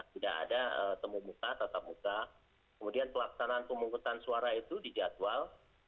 tidak ada temu muka tetap muka kemudian pelaksanaan pemungkutan suara itu dijadwal